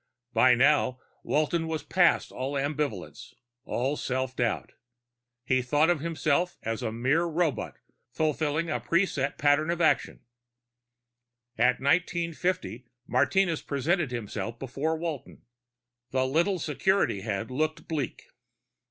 By now Walton was past all ambivalence, all self doubt. He thought of himself as a mere robot fulfilling a preset pattern of action. At 1950 Martinez presented himself before Walton. The little security head looked bleak.